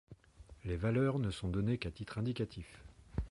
Les valeurs ne sont données qu'à titre indicatif.